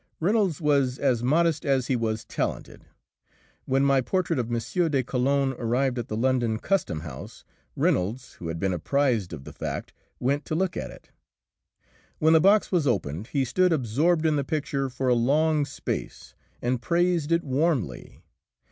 Reynolds was as modest as he was talented. When my portrait of M. de Calonne arrived at the London custom house, Reynolds, who had been apprised of the fact, went to look at it. When the box was opened he stood absorbed in the picture for a long space and praised it warmly.